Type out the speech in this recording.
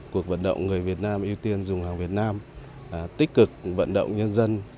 cuộc vận động người việt nam ưu tiên dùng hàng việt nam tích cực vận động nhân dân